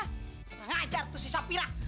dia ngeajar tuh si safira